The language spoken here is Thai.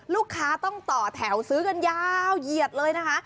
ลูกค้าต้องต่อแถวซื้อกันยาวเหยียดเลยนะคะ